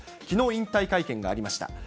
きのう引退会見がありました。